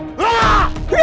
dan kita akan berpisah